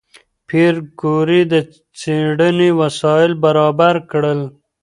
پېیر کوري د څېړنې وسایل برابر کړل.